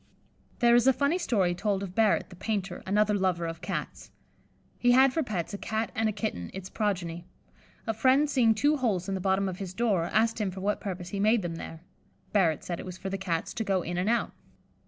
There is a funny story told of Barrett, the painter, another lover of Cats. He had for pets a Cat and a kitten, its progeny. A friend seeing two holes in the bottom of his door, asked him for what purpose he made them there. Barrett said it was for the Cats to go in and out.